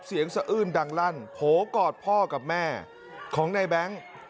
สะอื้นดังลั่นโผล่กอดพ่อกับแม่ของในแบงค์